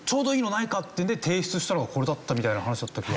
っていうんで提出したのがこれだったみたいな話だった気が。